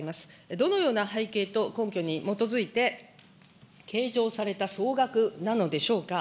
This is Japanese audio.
どのような背景と根拠に基づいて計上された総額なのでしょうか。